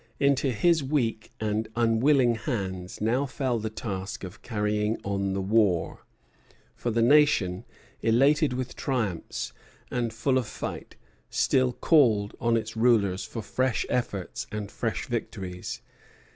Into his weak and unwilling hands now fell the task of carrying on the war; for the nation, elated with triumphs and full of fight, still called on its rulers for fresh efforts and fresh victories.